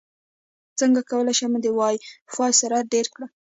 څنګه کولی شم د وائی فای سرعت ډېر کړم